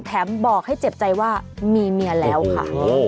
บอกให้เจ็บใจว่ามีเมียแล้วค่ะ